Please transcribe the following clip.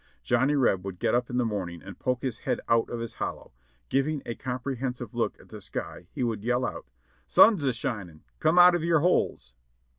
Johnny Reb would get up in the morning and poke his head out of his hollow ; giving a comprehensive look at the sky he would yell out : "Sun's a shinin', come out of your holes!"